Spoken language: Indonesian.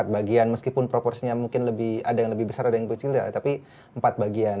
bagian meskipun proporsinya mungkin ada yang lebih besar ada yang kecil tapi empat bagian